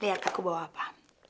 lihat aku bawa apa